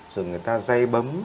rồi người ta dây bấm